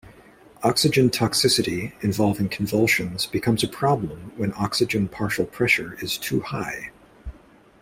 Oxygen toxicity, involving convulsions, becomes a problem when oxygen partial pressure is too high.